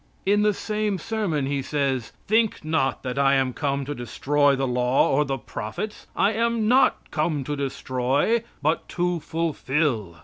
In the same sermon he says: "Think not that I am come to destroy the law or the prophets. I am not come to destroy, but to fulfill."